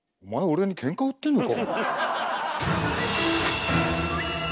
俺にケンカ売ってんのか！！